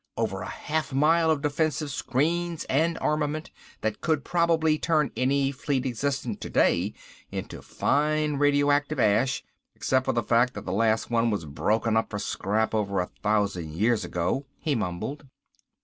Over a half mile of defensive screens and armament, that could probably turn any fleet existent today into fine radioactive ash " "Except for the fact that the last one was broken up for scrap over a thousand years ago," he mumbled.